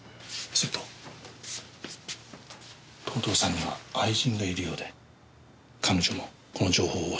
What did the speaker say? それと藤堂さんには愛人がいるようで彼女もこの情報も知ってたようです。